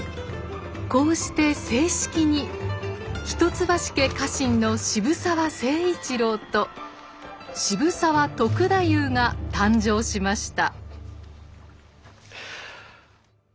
こうして正式に一橋家家臣の渋沢成一郎と渋沢篤太夫が誕生しました。